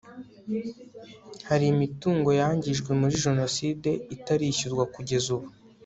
hari imitungo yangijwe muri jenoside itarishyurwa kugeza ubu